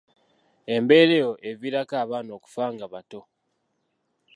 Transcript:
Embeera eyo eviirako abaana okufa nga bato.